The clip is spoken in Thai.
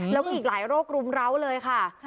แล้วก็อีกหลายโรครุมร้าวเลยค่ะ